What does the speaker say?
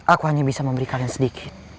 aku hanya bisa memberi kalian sedikit